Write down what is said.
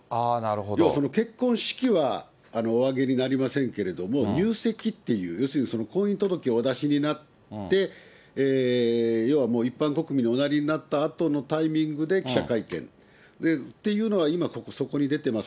要はその結婚式はお挙げになりませんけれども、入籍っていう、要するに婚姻届をお出しになって、要は一般国民におなりになったあとのタイミングで記者会見っていうのは、今そこに出てます